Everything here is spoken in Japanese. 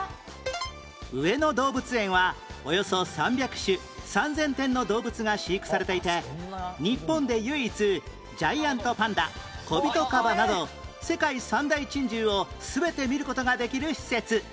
上野動物園はおよそ３００種３０００点の動物が飼育されていて日本で唯一ジャイアントパンダコビトカバなど世界三大珍獣を全て見る事ができる施設